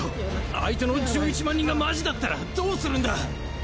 相手の１１万人がマジだったらどうするんだ！？